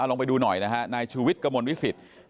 ลองไปดูหน่อยนะคะนายชูวิดกำวนวิสิต